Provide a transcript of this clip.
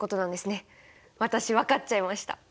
私分かっちゃいました！